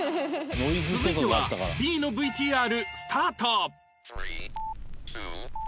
続いては Ｂ の ＶＴＲ スタート